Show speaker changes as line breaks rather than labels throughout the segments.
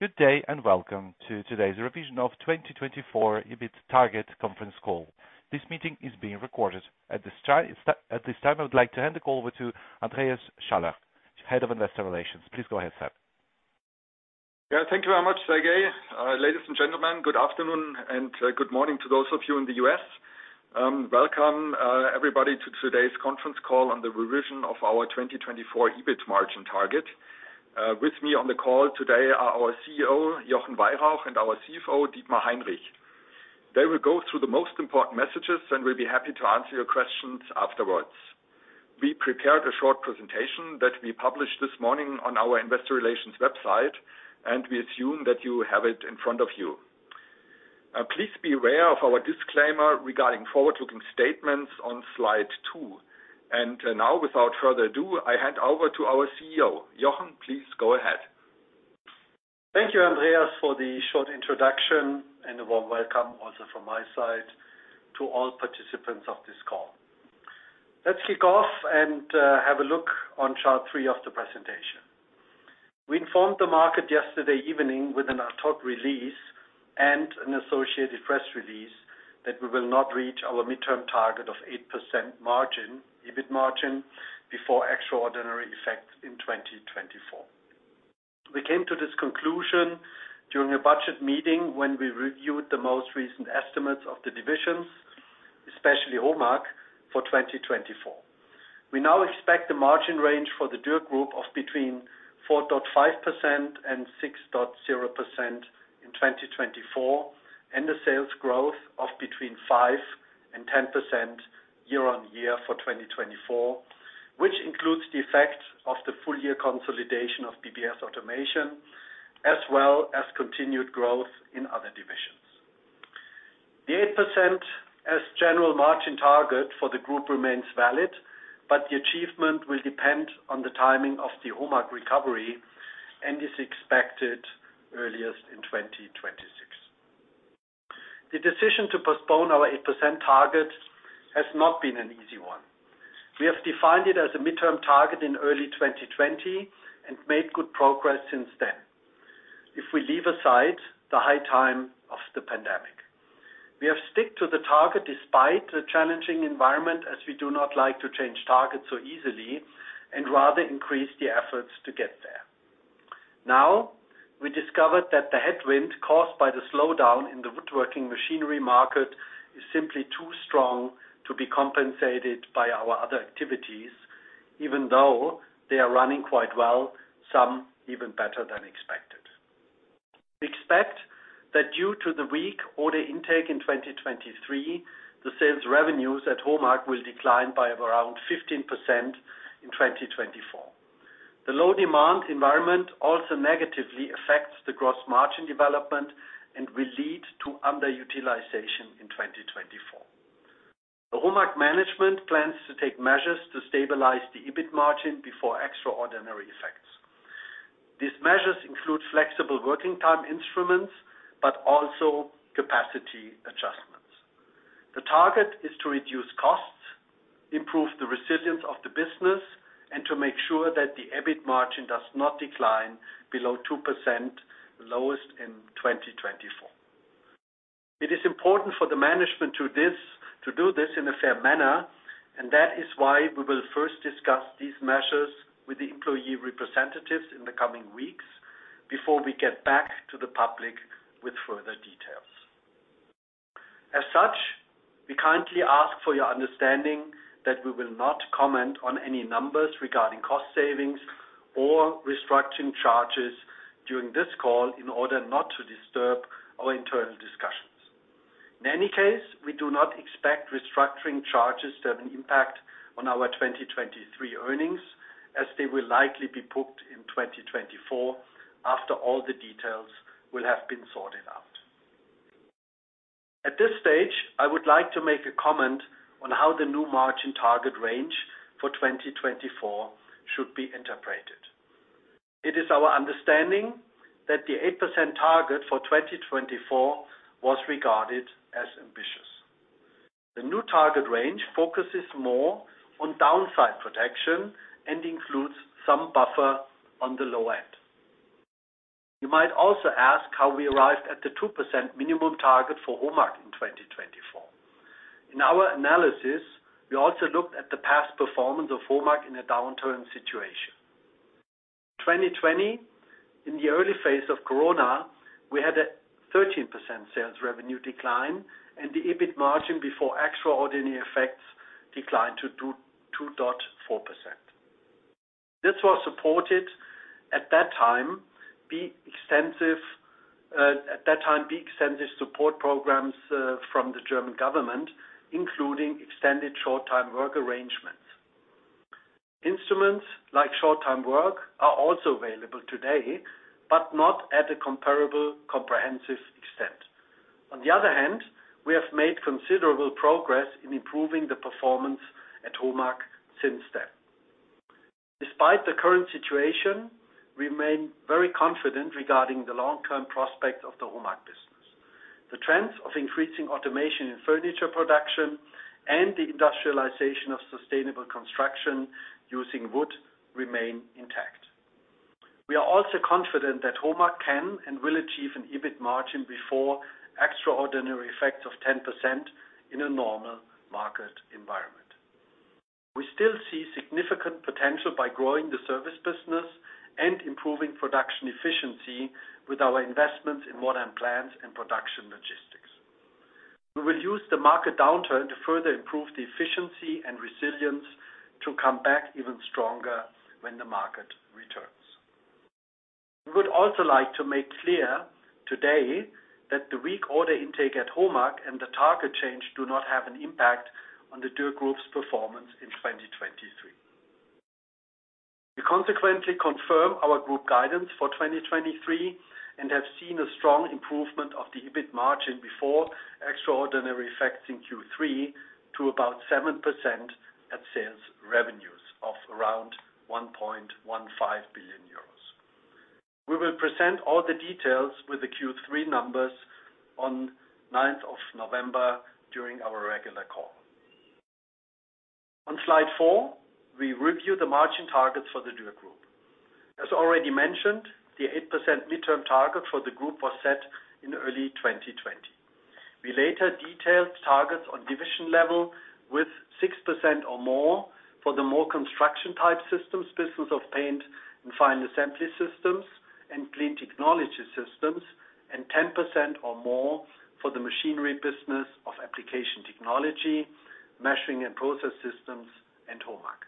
Good day, and welcome to today's revision of 2024 EBIT target conference call. This meeting is being recorded. At this time, I would like to hand the call over to Andreas Schaller, Head of Investor Relations. Please go ahead, sir.
Yeah, thank you very much, Sergey. Ladies and gentlemen, good afternoon, and good morning to those of you in the U.S. Welcome, everybody, to today's conference call on the revision of our 2024 EBIT margin target. With me on the call today are our CEO, Jochen Weyrauch, and our CFO, Dietmar Heinrich. They will go through the most important messages, and we'll be happy to answer your questions afterwards. We prepared a short presentation that we published this morning on our investor relations website, and we assume that you have it in front of you. Please be aware of our disclaimer regarding forward-looking statements on slide two. Now, without further ado, I hand over to our CEO. Jochen, please go ahead.
Thank you, Andreas, for the short introduction, and a warm welcome also from my side to all participants of this call. Let's kick off and have a look on chart three of the presentation. We informed the market yesterday evening with an ad hoc release and an associated press release that we will not reach our midterm target of 8% margin, EBIT margin before extraordinary effects in 2024. We came to this conclusion during a budget meeting when we reviewed the most recent estimates of the divisions, especially HOMAG, for 2024. We now expect the margin range for the Dürr Group of between 4.5% and 6.0% in 2024, and the sales growth of between 5% and 10% year-on-year for 2024, which includes the effect of the full-year consolidation of BBS Automation, as well as continued growth in other divisions. The 8% as general margin target for the group remains valid, but the achievement will depend on the timing of the HOMAG recovery and is expected earliest in 2026. The decision to postpone our 8% target has not been an easy one. We have defined it as a midterm target in early 2020 and made good progress since then. If we leave aside the high time of the pandemic, we have sticked to the target despite the challenging environment, as we do not like to change targets so easily and rather increase the efforts to get there. Now, we discovered that the headwind caused by the slowdown in the woodworking machinery market is simply too strong to be compensated by our other activities, even though they are running quite well, some even better than expected. We expect that due to the weak order intake in 2023, the sales revenues at HOMAG will decline by around 15% in 2024. The low demand environment also negatively affects the gross margin development and will lead to underutilization in 2024. The HOMAG management plans to take measures to stabilize the EBIT margin before extraordinary effects. These measures include flexible working time instruments, but also capacity adjustments. The target is to reduce costs, improve the resilience of the business, and to make sure that the EBIT margin does not decline below 2%, lowest in 2024. It is important for the management to do this in a fair manner, and that is why we will first discuss these measures with the employee representatives in the coming weeks before we get back to the public with further details. As such, we kindly ask for your understanding that we will not comment on any numbers regarding cost savings or restructuring charges during this call in order not to disturb our internal discussions. In any case, we do not expect restructuring charges to have an impact on our 2023 earnings, as they will likely be booked in 2024 after all the details will have been sorted out. At this stage, I would like to make a comment on how the new margin target range for 2024 should be interpreted. It is our understanding that the 8% target for 2024 was regarded as ambitious. The new target range focuses more on downside protection and includes some buffer on the low end. You might also ask how we arrived at the 2% minimum target for HOMAG in 2024. In our analysis, we also looked at the past performance of HOMAG in a downturn situation. 2020, in the early phase of Corona, we had a 13% sales revenue decline, and the EBIT margin before extraordinary effects declined to 2.4%. This was supported at that time by extensive support programs from the German government, including extended short-time work arrangements. Instruments like short-time work are also available today, but not at a comparable, comprehensive extent. On the other hand, we have made considerable progress in improving the performance at HOMAG since then. Despite the current situation, we remain very confident regarding the long-term prospect of the HOMAG business. The trends of increasing automation in furniture production and the industrialization of sustainable construction using wood remain intact. We are also confident that HOMAG can and will achieve an EBIT margin before extraordinary effects of 10% in a normal market environment. We still see significant potential by growing the service business and improving production efficiency with our investments in modern plants and production logistics. We will use the market downturn to further improve the efficiency and resilience to come back even stronger when the market returns. We would also like to make clear today that the weak order intake at HOMAG and the target change do not have an impact on the Group's performance in 2023. We consequently confirm our Group guidance for 2023, and have seen a strong improvement of the EBIT margin before extraordinary effects in Q3, to about 7% at sales revenues of around 1.15 billion euros. We will present all the details with the Q3 numbers on ninth of November during our regular call. On slide four, we review the margin targets for the Group. As already mentioned, the 8% midterm target for the Group was set in early 2020. We later detailed targets on division level with 6% or more for the more construction-type systems, business of paint and final assembly systems and clean technology systems, and 10% or more for the machinery business of application technology, measuring and process systems, and HOMAG.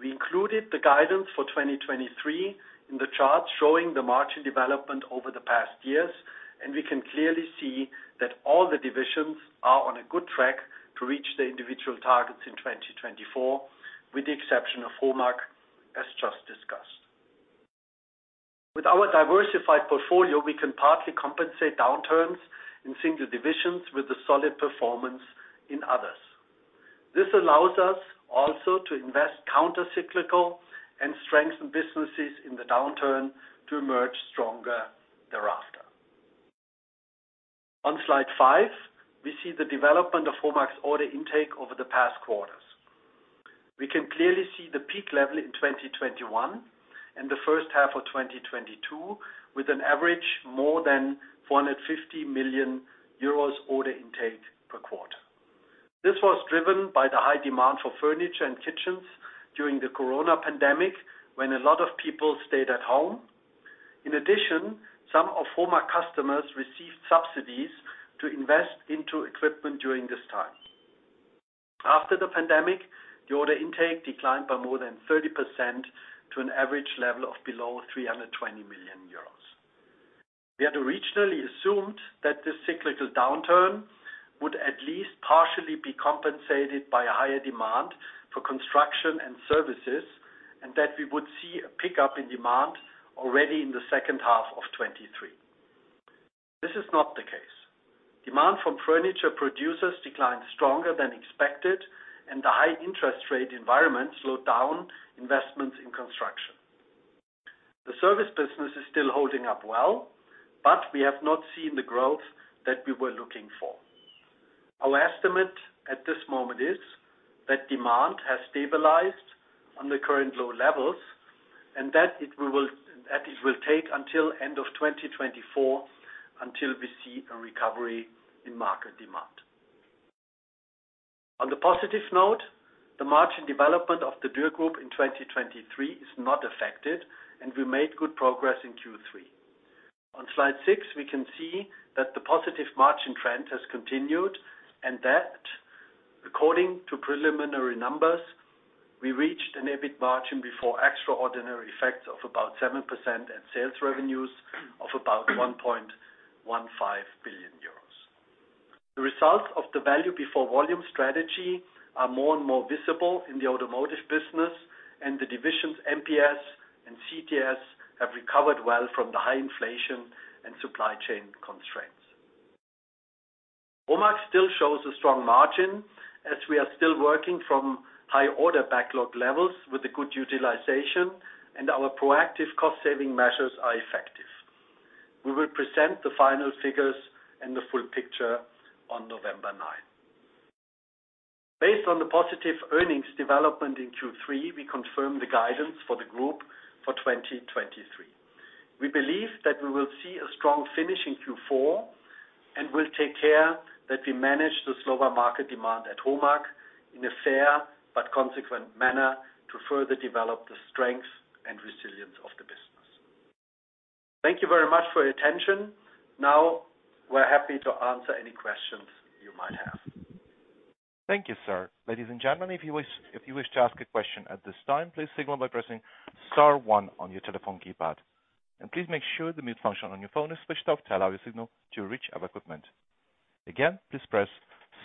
We included the guidance for 2023 in the chart showing the margin development over the past years, and we can clearly see that all the divisions are on a good track to reach their individual targets in 2024, with the exception of HOMAG, as just discussed. With our diversified portfolio, we can partly compensate downturns in single divisions with a solid performance in others. This allows us also to invest countercyclical and strengthen businesses in the downturn to emerge stronger thereafter. On slide five, we see the development of HOMAG's order intake over the past quarters. We can clearly see the peak level in 2021 and the first half of 2022, with an average more than 450 million euros order intake per quarter. This was driven by the high demand for furniture and kitchens during the Corona pandemic, when a lot of people stayed at home. In addition, some of HOMAG customers received subsidies to invest into equipment during this time. After the pandemic, the order intake declined by more than 30% to an average level of below 320 million euros. We had originally assumed that this cyclical downturn would at least partially be compensated by a higher demand for construction and services, and that we would see a pickup in demand already in the second half of 2023. This is not the case. Demand from furniture producers declined stronger than expected, and the high interest rate environment slowed down investments in construction. The service business is still holding up well, but we have not seen the growth that we were looking for. Our estimate at this moment is that demand has stabilized on the current low levels, and that it will take until end of 2024 until we see a recovery in market demand. On the positive note, the margin development of the group in 2023 is not affected, and we made good progress in Q3. On slide six, we can see that the positive margin trend has continued, and that according to preliminary numbers, we reached an EBIT margin before extraordinary effects of about 7% and sales revenues of about 1.15 billion euros. The results of the value before volume strategy are more and more visible in the automotive business, and the divisions, MPS and CTS, have recovered well from the high inflation and supply chain constraints. HOMAG still shows a strong margin as we are still working from high order backlog levels with a good utilization, and our proactive cost-saving measures are effective. We will present the final figures and the full picture on November 9. Based on the positive earnings development in Q3, we confirm the guidance for the group for 2023. We believe that we will see a strong finish in Q4, and will take care that we manage the slower market demand at HOMAG in a fair but consequent manner to further develop the strength and resilience of the business. Thank you very much for your attention. Now we're happy to answer any questions you might have.
Thank you, sir. Ladies and gentlemen, if you wish, if you wish to ask a question at this time, please signal by pressing star one on your telephone keypad. Please make sure the mute function on your phone is switched off to allow your signal to reach our equipment. Again, please press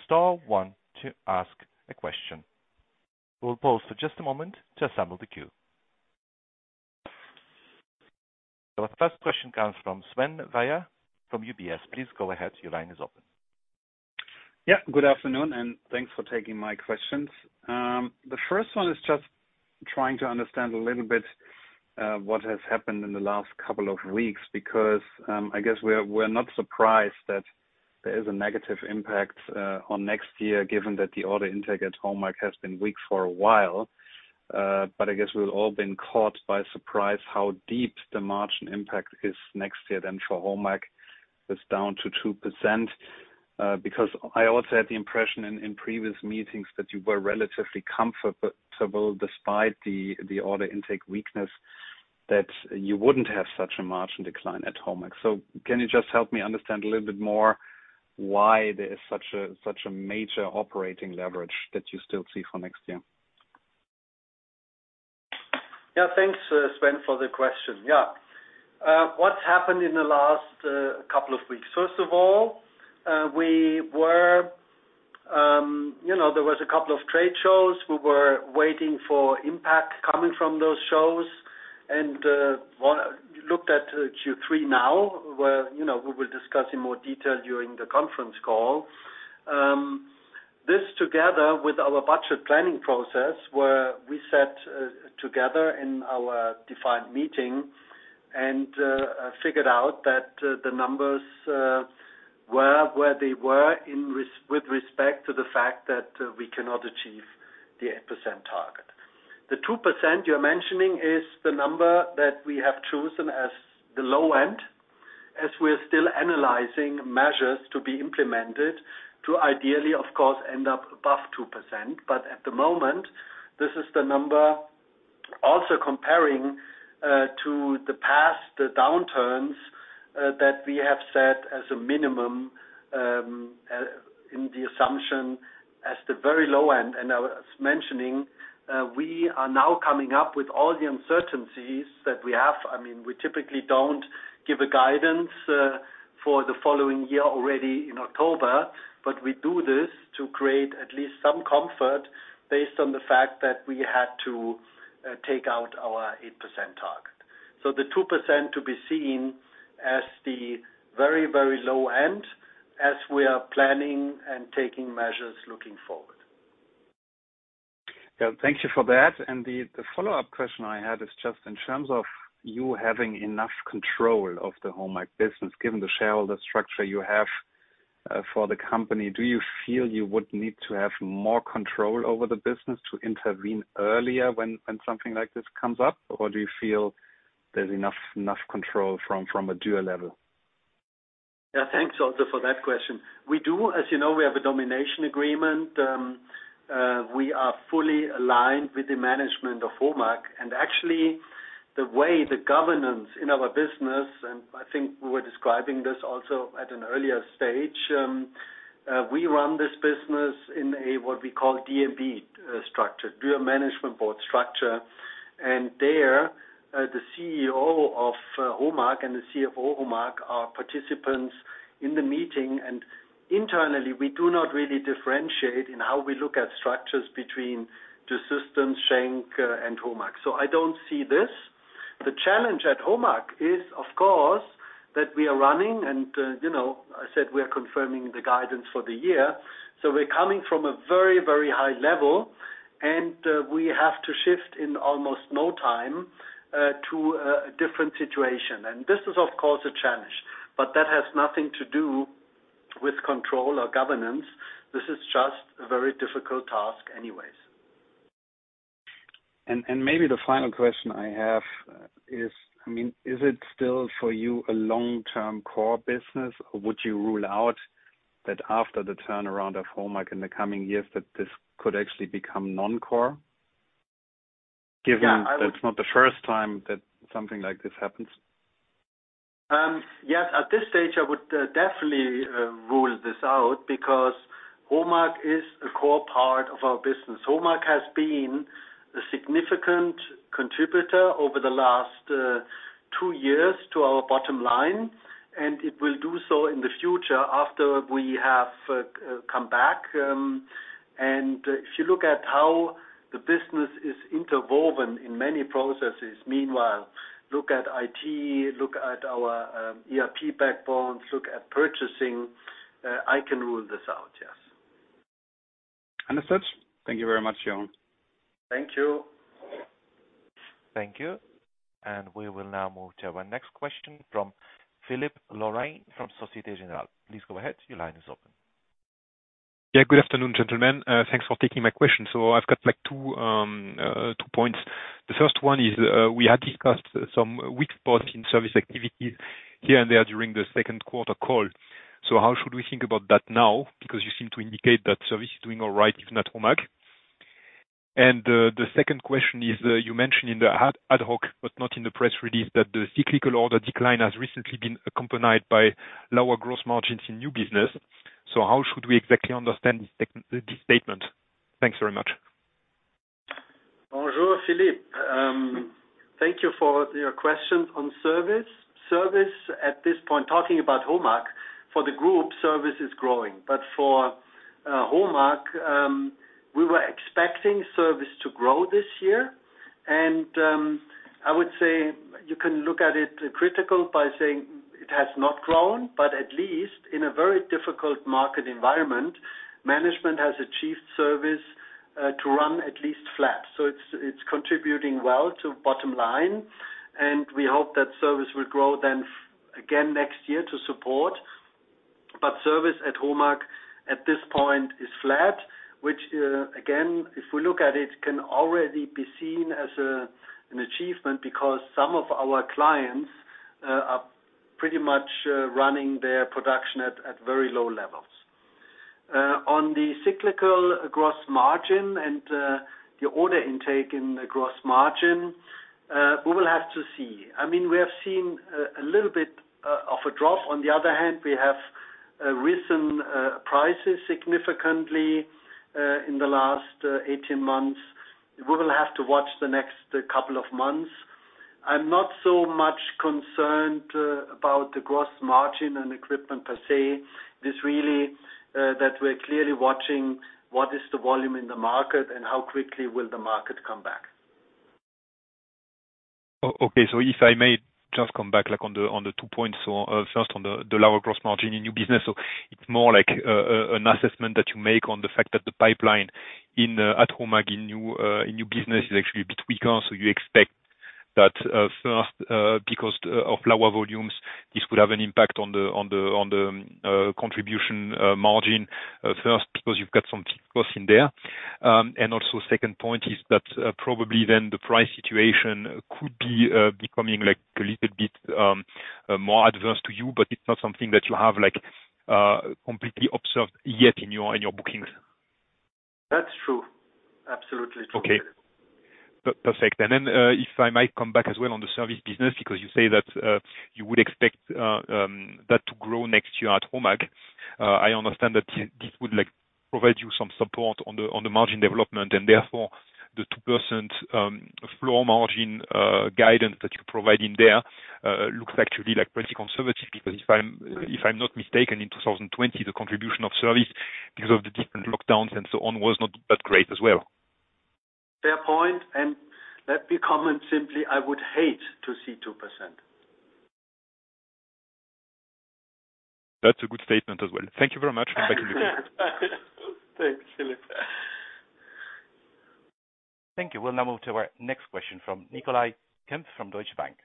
star one to ask a question. We'll pause for just a moment to assemble the queue. Our first question comes from Sven Weier from UBS. Please go ahead. Your line is open.
Yeah, good afternoon, and thanks for taking my questions. The first one is just trying to understand a little bit what has happened in the last couple of weeks because I guess we're not surprised that there is a negative impact on next year, given that the order intake at HOMAG has been weak for a while. I guess we've all been caught by surprise how deep the margin impact is next year, then, for HOMAG. It's down to 2% because I also had the impression in previous meetings that you were relatively comfortable, despite the order intake weakness, that you wouldn't have such a margin decline at HOMAG. Can you just help me understand a little bit more why there is such a major operating leverage that you still see for next year?
Thanks, Sven, for the question. Yeah, what's happened in the last couple of weeks? First of all, we were, you know, there was a couple of trade shows. We were waiting for impact coming from those shows, and, well, you looked at Q3 now, where, you know, we will discuss in more detail during the conference call. This together with our budget planning process, where we sat together in our DMB meeting and figured out that the numbers were where they were, with respect to the fact that we cannot achieve the 8% target. The 2% you're mentioning is the number that we have chosen as the low end, as we're still analyzing measures to be implemented, to ideally, of course, end up above 2%. At the moment, this is the number also comparing to the past, the downturns that we have set as a minimum in the assumption, as the very low end. I was mentioning, we are now coming up with all the uncertainties that we have. I mean, we typically don't give a guidance for the following year, already in October, but we do this to create at least some comfort based on the fact that we had to take out our 8% target. The 2% to be seen as the very, very low end as we are planning and taking measures looking forward.
Yeah. Thank you for that. The follow-up question I had is just in terms of you having enough control of the HOMAG business, given the shareholder structure you have for the company. Do you feel you would need to have more control over the business to intervene earlier when something like this comes up? Do you feel there's enough control from a dual level?
Yeah. Thanks also for that question. We do, as you know, we have a domination agreement. We are fully aligned with the management of HOMAG and actually, the way the governance in our business, and I think we were describing this also at an earlier stage, we run this business in a, what we call DMB structure, Dual Management Board structure. There, the CEO of HOMAG and the CFO HOMAG are participants in the meeting. Internally, we do not really differentiate in how we look at structures between Dürr Systems, Schenck, and HOMAG. I don't see this. The challenge at HOMAG is, of course, that we are running and, you know, I said we are confirming the guidance for the year. We're coming from a very, very high level, and we have to shift in almost no time to a different situation. This is, of course, a challenge. That has nothing to do with control or governance. This is just a very difficult task anyways.
Maybe the final question I have is, I mean, is it still, for you, a long-term core business, or would you rule out that after the turnaround of HOMAG in the coming years, that this could actually become non-core?
Yeah, I-
Given that it's not the first time that something like this happens.
Yes, at this stage, I would definitely rule this out because HOMAG is a core part of our business. HOMAG has been a significant contributor over the last two years to our bottom line, and it will do so in the future after we have come back. If you look at how the business is interwoven in many processes, meanwhile, look at I.T., look at our ERP backbones, look at purchasing, I can rule this out. Yes.
Understood. Thank you very much, Jochen.
Thank you.
Thank you. We will now move to our next question from Philippe Lorrain from Societe Generale. Please go ahead. Your line is open.
Yeah, good afternoon, gentlemen. Thanks for taking my question. I've got, like, two points. The first one is we had discussed some weak spots in service activities here and there during the second quarter call. How should we think about that now? Because you seem to indicate that service is doing all right, if not HOMAG. The second question is you mentioned in the ad hoc, but not in the press release, that the cyclical order decline has recently been accompanied by lower gross margins in new business. How should we exactly understand this statement? Thanks very much.
Bonjour, Philippe. Thank you for your question on service. Service at this point, talking about HOMAG, for the group, service is growing. But for HOMAG, we were expecting service to grow this year. I would say you can look at it critical by saying it has not grown, but at least in a very difficult market environment, management has achieved service to run at least flat. So it's contributing well to bottom line, and we hope that service will grow then again next year to support. But service at HOMAG at this point is flat, which again, if we look at it, can already be seen as an achievement because some of our clients are pretty much running their production at very low levels. On the cyclical gross margin and the order intake in the gross margin, we will have to see. I mean, we have seen a little bit of a drop. On the other hand, we have risen prices significantly in the last 18 months. We will have to watch the next couple of months. I'm not so much concerned about the gross margin and equipment per se. It's really that we're clearly watching what is the volume in the market and how quickly will the market come back.
Okay, so if I may just come back, like, on the two points. First, on the lower gross margin in new business. It's more like an assessment that you make on the fact that the pipeline at HOMAG in new business is actually a bit weaker. You expect that first, because of lower volumes, this will have an impact on the contribution margin first, because you've got some costs in there. Also second point is that probably then the price situation could be becoming, like, a little bit more adverse to you, but it's not something that you have, like, completely observed yet in your bookings.
That's true. Absolutely true.
Okay. Perfect. If I might come back as well on the service business, because you say that you would expect that to grow next year at HOMAG. I understand that this would, like, provide you some support on the margin development, and therefore, the 2% floor margin guidance that you're providing there looks actually, like, pretty conservative. Because if I'm not mistaken, in 2020, the contribution of service, because of the different lockdowns and so on, was not that great as well.
Fair point, and let me comment simply. I would hate to see 2%.
That's a good statement as well. Thank you very much.
Thanks. See you later.
Thank you. We'll now move to our next question from Nicolai Kempf, from Deutsche Bank.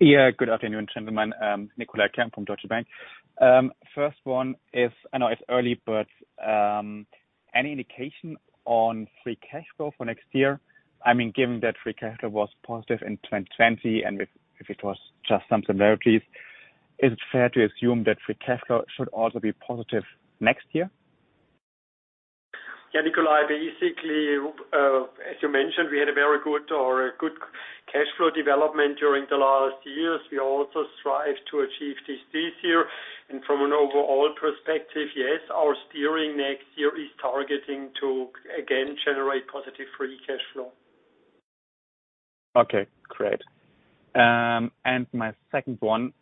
Yeah, good afternoon, gentlemen, Nicolai Kempf from Deutsche Bank. First one is, I know it's early, but any indication on free cash flow for next year? I mean, given that free cash flow was positive in 2020, and if it was just some similarities, is it fair to assume that free cash flow should also be positive next year?
Yeah, Nikolai, basically, as you mentioned, we had a very good or a good cash flow development during the last years. We also strive to achieve this, this year. From an overall perspective, yes, our steering next year is targeting to again generate positive free cash flow.
Okay, great. My second one,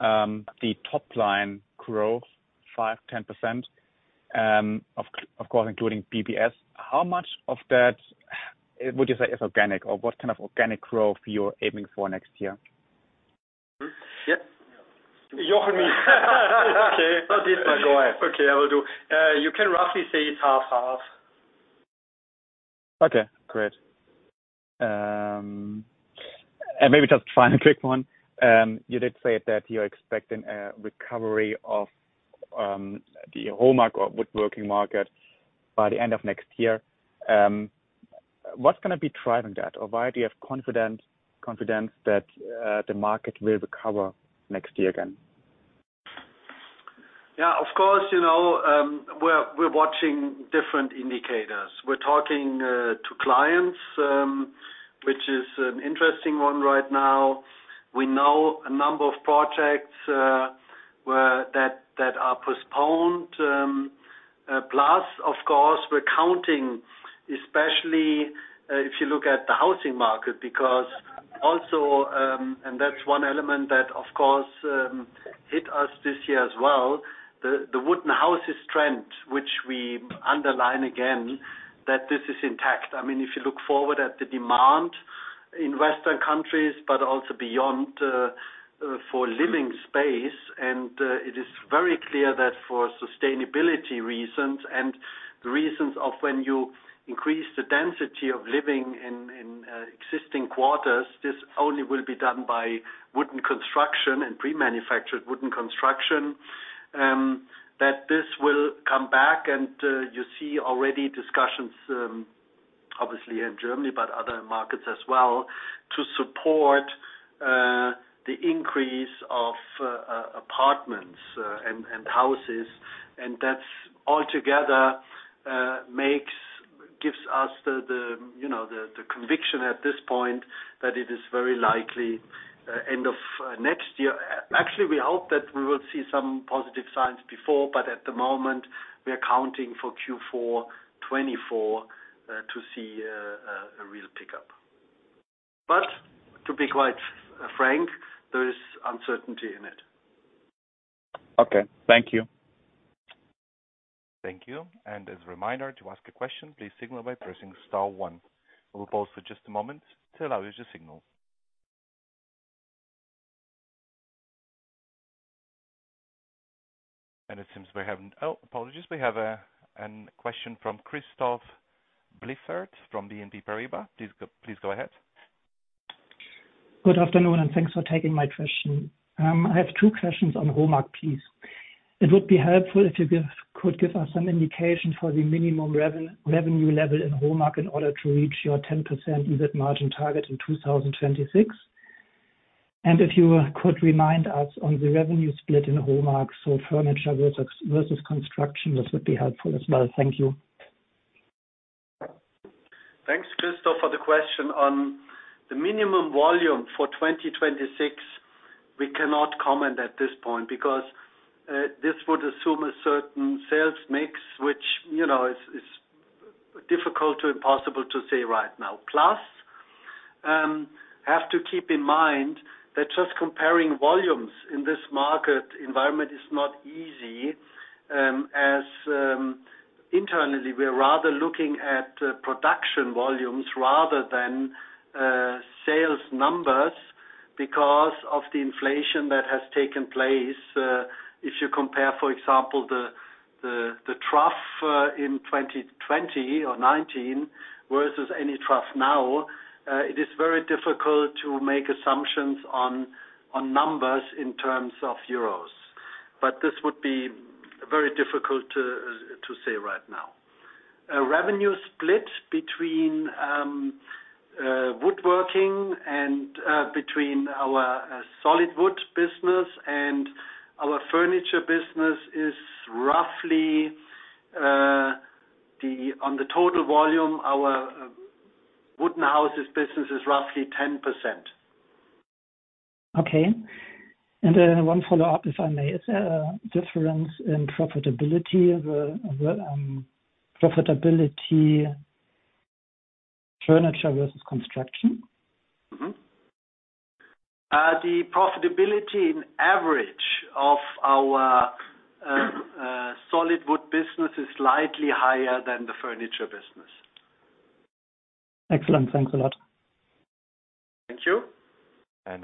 the top-line growth, 5%-10%, of course, including BBS. How much of that would you say is organic, or what kind of organic growth you're aiming for next year?
Yep. Jochen.
Okay.
Go ahead.
Okay, I will do. You can roughly say it's half, half.
Okay, great. Maybe just final, quick one. You did say that you're expecting a recovery of the HOMAG or woodworking market by the end of next year. What's gonna be driving that? Why do you have confidence that the market will recover next year again?
Yeah, of course, you know, we're watching different indicators. We're talking to clients, which is an interesting one right now. We know a number of projects that are postponed. Plus, of course, we're counting, especially if you look at the housing market, because also, and that's one element that, of course, hit us this year as well. The wooden houses trend, which we underline again, that this is intact. I mean, if you look forward at the demand in Western countries, but also beyond for living space, and it is very clear that for sustainability reasons and the reasons of when you increase the density of living in existing quarters, this only will be done by wooden construction and pre-manufactured wooden construction, that this will come back. You see already discussions obviously in Germany, but other markets as well, to support the increase of apartments and houses. That's altogether gives us the, you know, the conviction at this point that it is very likely end of next year. Actually, we hope that we will see some positive signs before, but at the moment, we are counting for Q4 2024 to see a real pickup. To be quite frank, there is uncertainty in it.
Okay. Thank you.
Thank you. As a reminder, to ask a question, please signal by pressing star one. We'll pause for just a moment to allow you to signal. It seems we have, oh, apologies. We have a question from Christoph Bliffert from BNP Paribas. Please go ahead.
Good afternoon, and thanks for taking my question. I have two questions on HOMAG, please. It would be helpful if you could give us some indication for the minimum revenue level in HOMAG in order to reach your 10% EBIT margin target in 2026. If you could remind us on the revenue split in HOMAG, so furniture versus construction, this would be helpful as well. Thank you.
Thanks, Christoph, for the question. On the minimum volume for 2026, we cannot comment at this point because this would assume a certain sales mix, which, you know, is difficult to impossible to say right now. Plus, have to keep in mind that just comparing volumes in this market environment is not easy, as internally, we are rather looking at production volumes rather than sales numbers because of the inflation that has taken place. If you compare, for example, the trough in 2020 or 2019 versus any trough now, it is very difficult to make assumptions on numbers in terms of euros. This would be very difficult to say right now. A revenue split between woodworking and between our solid wood business and our furniture business is roughly, on the total volume, our wooden houses business is roughly 10%.
Okay. One follow-up, if I may. Is there a difference in profitability, furniture versus construction?
The profitability in average of our solid wood business is slightly higher than the furniture business.
Excellent. Thanks a lot.
Thank you.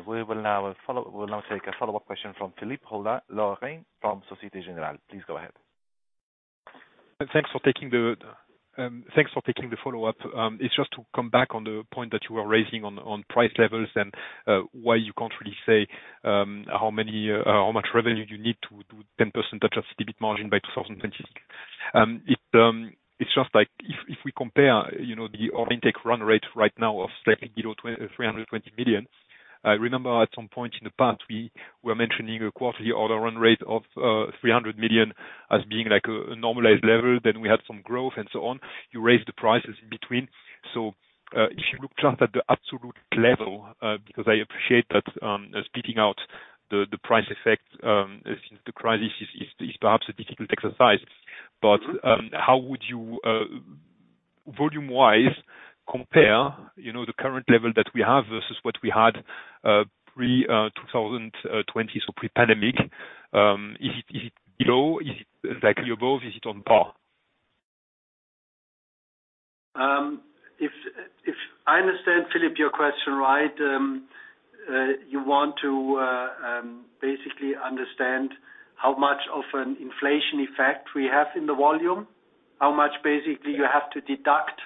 We'll now take a follow-up question from Philippe Lorrain from Societe Generale. Please go ahead.
Thanks for taking the follow-up. It's just to come back on the point that you were raising on price levels and why you can't really say how much revenue you need to do 10% touch of EBIT margin by 2026. It's just like if we compare, you know, the order intake run rate right now of slightly below 320 million. I remember at some point in the past, we were mentioning a quarterly order run rate of 300 million as being like a normalized level. We had some growth and so on. You raised the prices in between. If you look just at the absolute level, because I appreciate that speaking out the price effect since the crisis is perhaps a difficult exercise.
Mm-hmm.
How would you volume-wise compare, you know, the current level that we have versus what we had pre-2020, so pre-pandemic? Is it below? Is it exactly above, is it on par?
If I understand, Philippe, your question right, you want to basically understand how much of an inflation effect we have in the volume? How much basically you have to deduct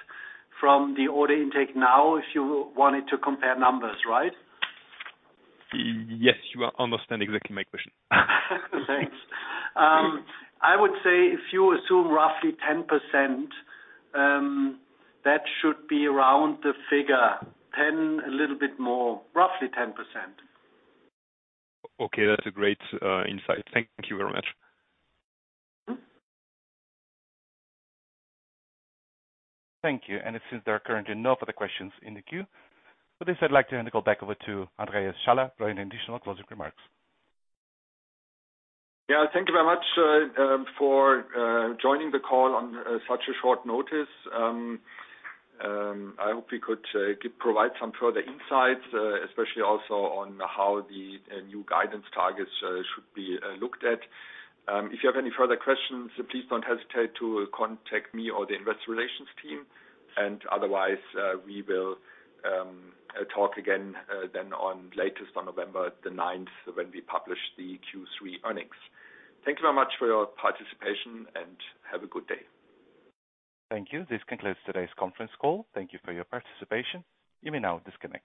from the order intake now, if you wanted to compare numbers, right?
Yes, you are understand exactly my question.
Thanks. I would say if you assume roughly 10%, that should be around the figure 10, a little bit more, roughly 10%.
Okay. That's a great insight. Thank you very much.
Mm-hmm.
Thank you. It seems there are currently no further questions in the queue. With this, I'd like to hand the call back over to Andreas Schaller for any additional closing remarks.
Yeah. Thank you very much for joining the call on such a short notice. I hope we could give, provide some further insights, especially also on how the new guidance targets should be looked at. If you have any further questions, please don't hesitate to contact me or the Investor Relations team, and otherwise, we will talk again then on latest on November 9th, when we publish the Q3 earnings. Thank you very much for your participation, and have a good day.
Thank you. This concludes today's conference call. Thank you for your participation. You may now disconnect.